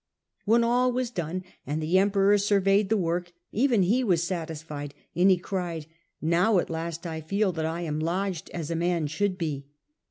When all was done and the Emperor surveyed the work, even he was satisfied, and he cried, ^ Now at least 1 feel that I am lodged as a man should be.'